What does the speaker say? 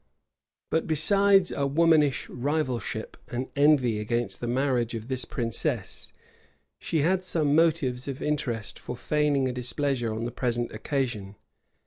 But besides a womanish rivalship and envy against the marriage of this princess, she had some motives of interest for feigning a displeasure on the present occasion.